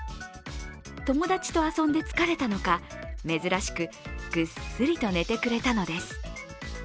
友達と遊んで疲れたのか珍しくぐっすりと寝てくれたのです。